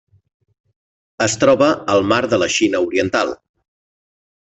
Es troba al Mar de la Xina Oriental.